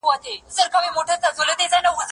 زه سبزیحات نه وچوم؟!